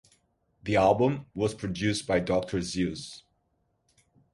The album was produced by Dr Zeus.